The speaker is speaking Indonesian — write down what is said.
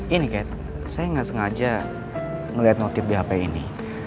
ini kat saya gak sengaja ngeliat notif di hp ini